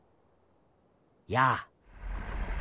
やあ！